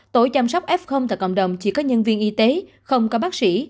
tổ chăm sóc f tại cộng đồng chỉ có nhân viên y tế không có bác sĩ